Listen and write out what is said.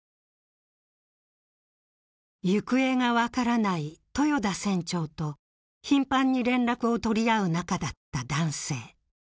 行方がわからない豊田船長と頻繁に連絡を取り合う仲だった男性。